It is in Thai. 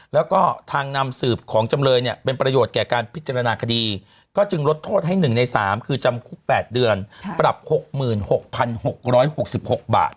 แล้วก็ทางนำสืบของจำเลยเนี่ยเป็นประโยชน์แก่การพิจารณาคดีก็จึงลดโทษให้๑ใน๓คือจำคุก๘เดือนปรับ๖๖๖๖บาท